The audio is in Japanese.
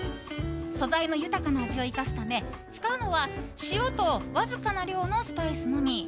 素材の豊かな味を生かすため使うのは塩と、わずかな量のスパイスのみ。